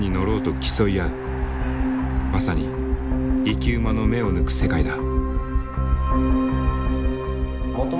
まさに生き馬の目を抜く世界だ。